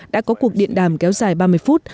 đã có cuộc điện đàm kéo dài ba mươi phút